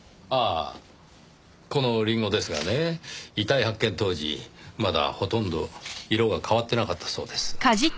ああこのりんごですがね遺体発見当時まだほとんど色が変わってなかったそうです。